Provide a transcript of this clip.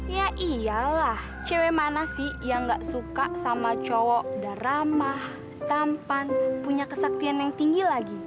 ya iyalah cewek mana sih yang gak suka sama cowok udah ramah tampan punya kesaktian yang tinggi lagi